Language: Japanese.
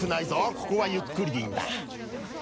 ここはゆっくりでいいんだ。